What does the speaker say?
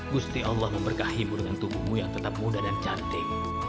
gusti allah memberkahimu dengan tubuhmu yang tetap muda dan cantik